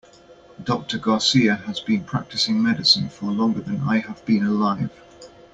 Doctor Garcia has been practicing medicine for longer than I have been alive.